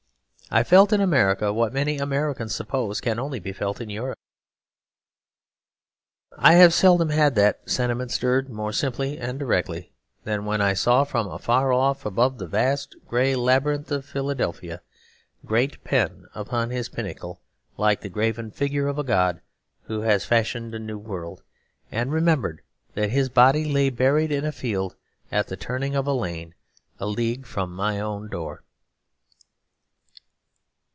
I felt in America what many Americans suppose can only be felt in Europe. I have seldom had that sentiment stirred more simply and directly than when I saw from afar off, above the vast grey labyrinth of Philadelphia, great Penn upon his pinnacle like the graven figure of a god who had fashioned a new world; and remembered that his body lay buried in a field at the turning of a lane, a league from my own door.